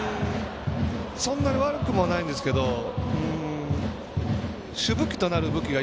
そんなに悪くもないんですけど主武器となるのが。